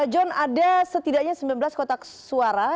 john ada setidaknya sembilan belas kotak suara